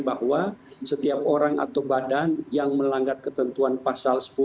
bahwa setiap orang atau badan yang melanggar ketentuan pasal sepuluh